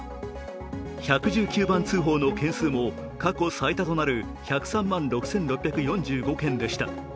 １１９番通報の件数も過去最多となる１０３万６６４５件でした。